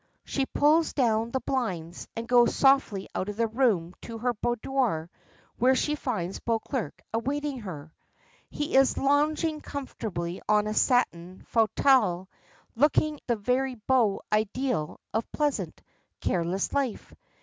She pulls down the blinds, and goes softly out of the room to her boudoir, where she finds Beauclerk awaiting her. He is lounging comfortably on a satin fauteuil, looking the very beau ideal of pleasant, careless life.